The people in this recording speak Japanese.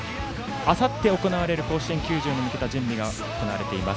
あさって、行われる甲子園球場に向けた準備が行われています。